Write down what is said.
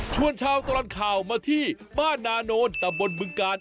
ชวนเช้าตลอดข่าวมาที่บ้านนานนท์ตำบลบึงการ